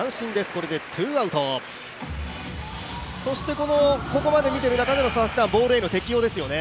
そしてここまで見ている中での、ボールへの適応ですよね。